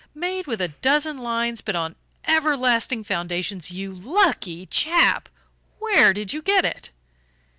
Made with a dozen lines but on everlasting foundations. You lucky chap, where did you get it?"